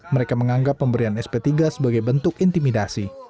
mereka menganggap pemberian sp tiga sebagai bentuk intimidasi